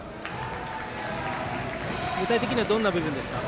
具体的にはどんな部分ですか？